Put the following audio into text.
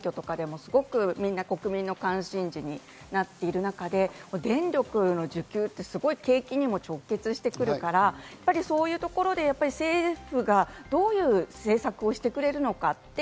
一方で景気というものが今回の選挙とかでも、すごく国民の関心事になっている中で、電力の需給ってすごく景気にも直結してくるから、そういうところで、政府がどういう政策をしてくれるのかと